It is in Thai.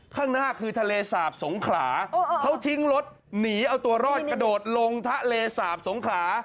ข้างหน้าคือทะเลสาบสงขลาเขาทิ้งรถหนีเอาตัวรอดกระโดดลงทะเลสาบสงขลา